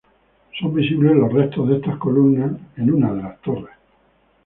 Son visibles los restos de estas columnas en una de las torres.